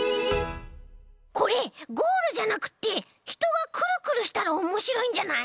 これゴールじゃなくってひとがクルクルしたらおもしろいんじゃない？